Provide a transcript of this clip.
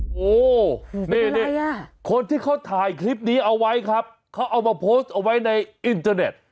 โอ้โหนี่คนที่เขาถ่ายคลิปนี้เอาไว้ครับเขาเอามาโพสต์เอาไว้ในอินเทอร์เน็ต